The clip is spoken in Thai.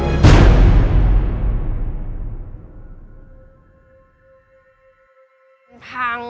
ช่วยท่านให้ถอยเอง